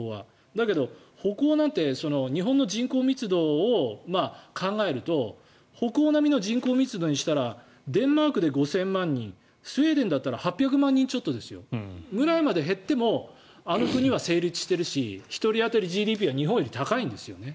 だけど、北欧なんて日本の人口密度を考えると北欧並みの人口密度にしたらデンマークで５０００万人スウェーデンだったら８００万人ちょっとくらいまで減ってもあの国は成立してるし１人当たりＧＤＰは日本より高いんですよね。